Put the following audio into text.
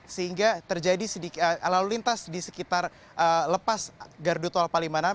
sehingga terjadi lalu lintas di sekitar lepas gardu tol palimanan